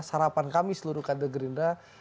sarapan kami seluruh kader gerindra